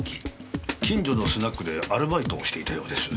近所のスナックでアルバイトをしていたようです。